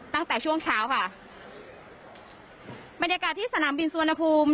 ตั้งแต่ช่วงเช้าค่ะบรรยากาศที่สนามบินสุวรรณภูมิ